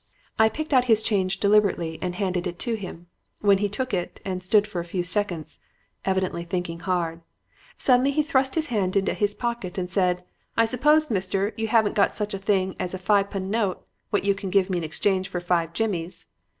"I picked out his change deliberately and handed it to him, when he took it and stood for a few seconds, evidently thinking hard. Suddenly he thrust his hand into his pocket and said, 'I suppose, mister, you haven't got such a thing as a fi pun note what you can give me in exchange for five jimmies?'